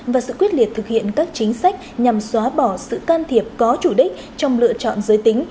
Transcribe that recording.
và sự quyết liệt thực hiện các chính sách nhằm xóa bỏ sự can thiệp có chủ đích trong lựa chọn giới tính